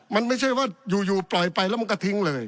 มันไม่ใช่ว่าอยู่ปล่อยไปแล้วมันก็ทิ้งเลย